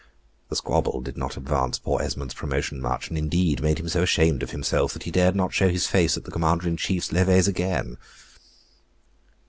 The squabble did not advance poor Esmond's promotion much, and indeed made him so ashamed of himself that he dared not show his face at the Commander in Chief's levees again.